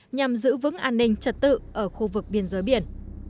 nhằm giữ vững an ninh trật tự ở khu vực biên giới biển